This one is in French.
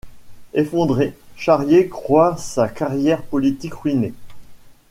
Effondré, Charrier croit sa carrière politique ruinée.